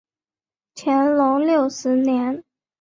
乾隆六十年。